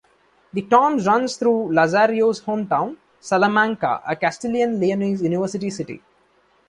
The Tormes runs through Lazarillo's home town, Salamanca, a Castilian-Leonese university city.